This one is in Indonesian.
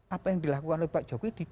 apa yang dilakukan oleh pak jokowi